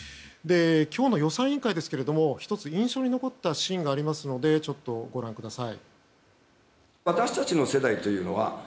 今日の予算委員会で１つ印象に残ったシーンがありますのでご覧ください。